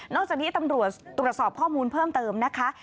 จากนี้ตำรวจตรวจสอบข้อมูลเพิ่มเติมนะคะ